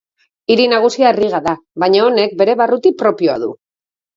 Hiri nagusia Riga da, baina honek bere barruti propioa du.